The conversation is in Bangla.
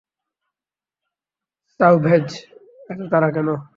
সাওভ্যাজ, এত তাড়া কেন!